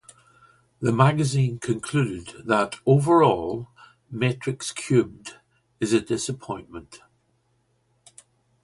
The magazine concluded that "overall, "Matrix Cubed" is a disappointment.